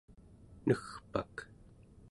negpak